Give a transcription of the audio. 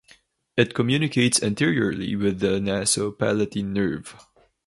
It communicates anteriorly with the nasopalatine nerve.